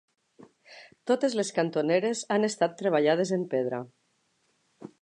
Totes les cantoneres han estat treballades en pedra.